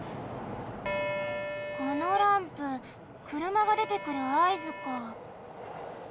このランプくるまがでてくるあいずか。